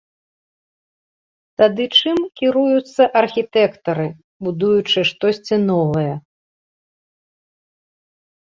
Тады чым кіруюцца архітэктары, будуючы штосьці новае?